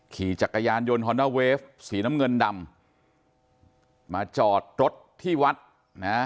ขี่จักรยานยนต์ฮอนด้าเวฟสีน้ำเงินดำมาจอดรถที่วัดนะ